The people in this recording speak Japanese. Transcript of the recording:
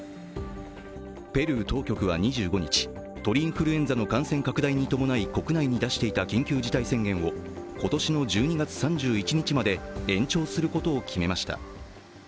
ペルー当局は２５日、鳥インフルエンザの感染拡大に伴い国内に出していた緊急事態宣言を今年の１２月３１日まで延長することを決めました。